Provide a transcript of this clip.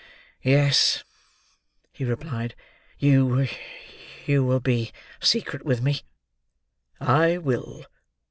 "Yes," he replied. "You—you—will be secret with me?" "I will.